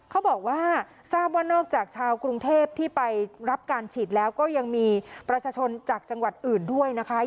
เขาบอกว่าทราบว่านอกจากชาวกรุงเทพที่ไปรับการฉีดแล้วก็ยังมีประชาชนจากจังหวัดอื่นด้วยนะคะ